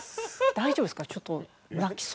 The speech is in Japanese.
大丈夫ですか？